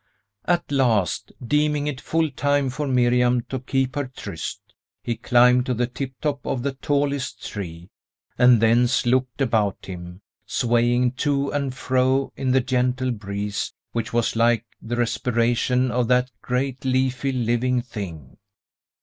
At last, deeming it full time for Miriam to keep her tryst, he climbed to the tiptop of the tallest tree, and thence looked about him, swaying to and fro in the gentle breeze, which was like the respiration of that great leafy, living thing.